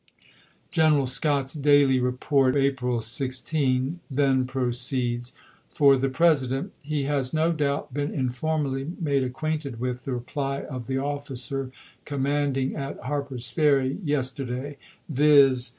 ms. General Scott's daily report, April 16, then proceeds : For the President. He has no doubt been informally made acquainted with the reply of the officer command ing at Harper's Ferry, yesterday, viz.